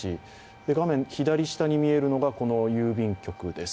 画面左下に見えるのが郵便局です。